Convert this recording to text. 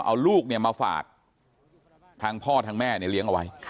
เอาลูกมาฝากทางพ่อทางแม่เนี่ยเลี้ยงเอาไว้